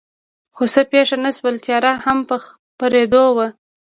خو څه پېښ نه شول، تیاره هم په خپرېدو وه.